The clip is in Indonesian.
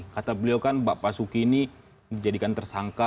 kata beliau kan pak basuki ini dijadikan tersangka